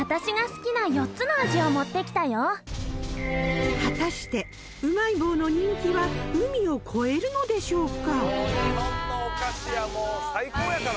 棒果たしてうまい棒の人気は海を越えるのでしょうか？